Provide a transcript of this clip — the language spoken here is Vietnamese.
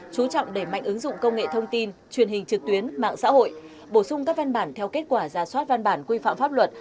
chú trọng đẩy mạnh ứng dụng công nghệ thông tin truyền hình trực tuyến mạng xã hội bổ sung các văn bản theo kết quả ra soát văn bản quy phạm pháp luật